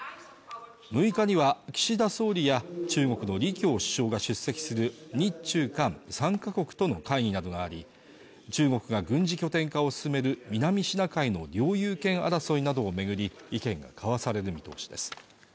６日には岸田総理や中国の李強首相が出席する日中韓３か国との会議などがあり中国が軍事拠点化を進める南シナ海の領有権争いなどを巡り意見が交わされる見通しです